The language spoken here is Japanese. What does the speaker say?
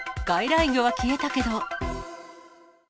外来魚は消えたけど。